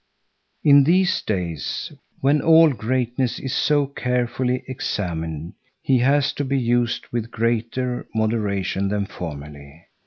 In these days, when all greatness is so carefully examined, he has to be used with greater moderation than formerly.